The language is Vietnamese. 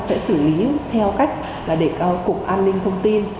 sẽ xử lý theo cách là để cục an ninh thông tin